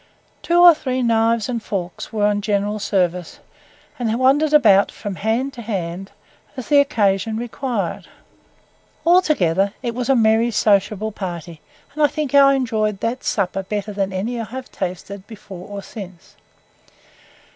Two or three knives and forks were on general service, and wandered about from hand to hand as occasion required. Altogether it was a merry, sociable party, and I think I enjoyed that supper better than any I ever tasted before or since.